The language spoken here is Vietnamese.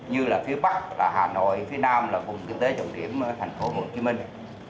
như là phía bắc là hà nội phía nam là vùng kinh tế trọng điểm thành phố hồ chí minh